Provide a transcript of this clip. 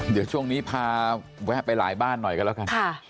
เดี๋ยวช่วงนี้พาแวะไปหลายบ้านหน่อยกันแล้วกัน